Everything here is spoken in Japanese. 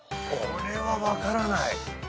これは分からない。